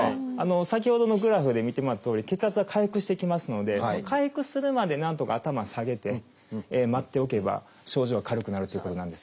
先ほどのグラフで見てもらったとおり血圧が回復していきますので回復するまでなんとか頭下げて待っておけば症状は軽くなるということなんですよ。